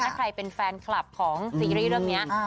ถ้าใครเป็นแฟนคลับของซีรีส์เรื่องนี้